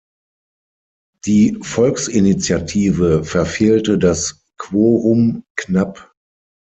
Die Volksinitiative verfehlte das Quorum knapp.